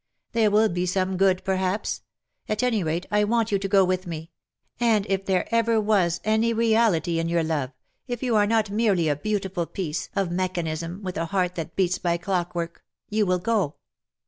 ''" There will be some good, perhaps. At any rate, I want you to go with me ; and if there ever was any reality in your love, if you are not merely ''yours on MONDAY, GOD'S TO DAY." 41 a "beautiful piece of mechanism, with a heart that beats by clockwork, you will go."